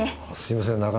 あっすみません